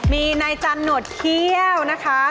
มีนัยจันทร์หนดเขี้ยวนะคะ